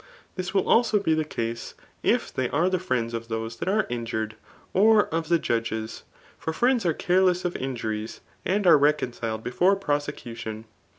This will also be the case, if they are thf friends of those that are injured, or of the judges. For frinds are careless of injuries, and are reconciled befiMPe prosecution.